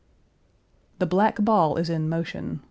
The black ball is in motion.